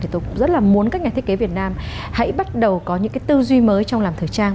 thì tôi cũng rất là muốn các nhà thiết kế việt nam hãy bắt đầu có những cái tư duy mới trong làm thời trang